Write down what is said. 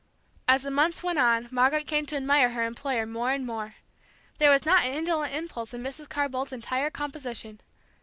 As the months went on Margaret came to admire her employer more and more. There was not an indolent impulse in Mrs. Carr Boldt's entire composition.